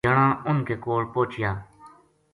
جنا اُنھ کے کول پوہچیا